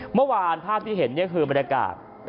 เมื่อวานภาพที่เห็นเนี่ยคือบรรยากาศ